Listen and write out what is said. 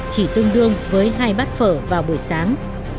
chỉ tương đương với hai bát phở vào buổi sáng